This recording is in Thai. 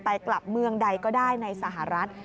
กลับเมืองใดก็ได้ในสหรัฐ